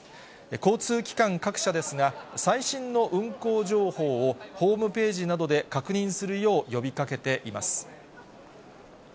交通機関各社ですが、最新の運行情報をホームページなどで確認するよう呼びかけています。